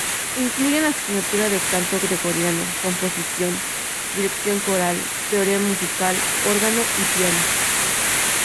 Incluyen asignaturas de canto gregoriano, composición, dirección coral, teoría musical, órgano y piano.